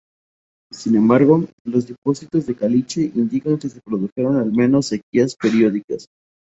Sin embargo, los depósitos de caliche indican que se produjeron al menos sequías periódicas.